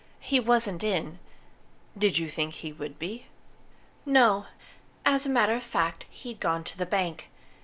He wasn't in " "Did you think he would be?" "No o. As a matter of fact, he'd gone to the bank.